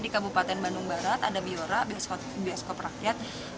di kabupaten bandung barat ada biora bioskop rakyat